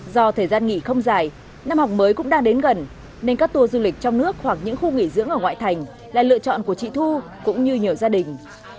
do thời gian nghỉ không dài năm học mới cũng đang đến gần nên các tour du lịch trong nước hoặc những khu nghỉ dưỡng ở ngoại thành là lựa chọn của chị thu cũng như nhiều gia đình